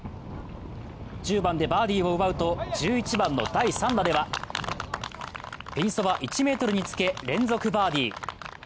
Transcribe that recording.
１０番でバーディーを奪うと、１１番の第３打では、ピンそば１ｍにつけ連続バーディー。